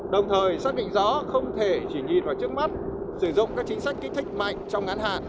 đồng thời xác định rõ không thể chỉ nhìn vào trước mắt sử dụng các chính sách kích thích mạnh trong ngắn hạn